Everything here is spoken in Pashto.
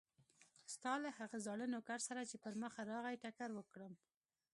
ستا له هغه زاړه نوکر سره چې پر مخه راغی ټکر وکړم.